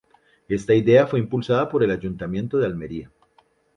Está idea fue impulsada por el Ayuntamiento de Almería.